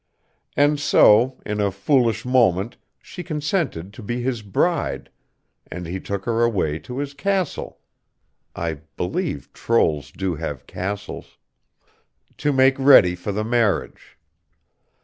And so, in a foolish moment she consented to be his bride, and he took her away to his castle I believe trolls do have castles to make ready for the marriage.